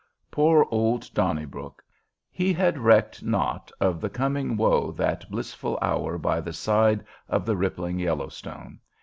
Poor old Donnybrook! He had recked not of the coming woe that blissful hour by the side of the rippling Yellowstone.